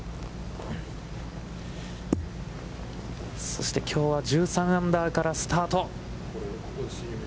そして、きょうは１３アンダーからスタート。